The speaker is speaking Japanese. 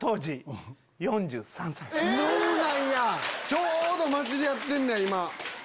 ちょうど交じり合ってんねや今。